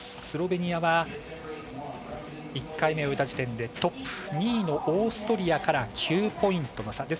スロベニアは１回目を終えた時点でトップ、２位のオーストリアから９ポイントの差。